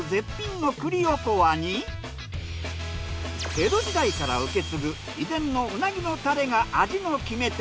江戸時代から受け継ぐ秘伝のうなぎのタレが味の決め手。